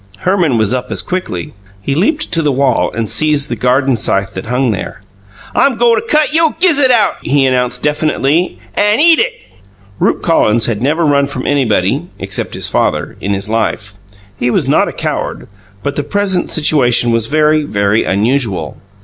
Herman was up as quickly. He leaped to the wall and seized the garden scythe that hung there. "I'm go to cut you' gizzud out," he announced definitely, "an' eat it!" Rupe Collins had never run from anybody (except his father) in his life; he was not a coward; but the present situation was very, very unusual.